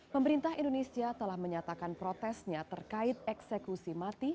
pemerintah indonesia telah menyatakan protesnya terkait eksekusi mati